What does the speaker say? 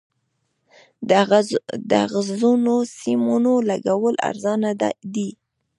د اغزنو سیمونو لګول ارزانه دي؟